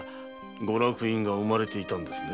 御落胤が生まれていたんですね。